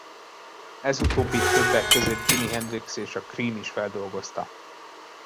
Ez utóbbit többek között Jimi Hendrix és a Cream is feldolgozta.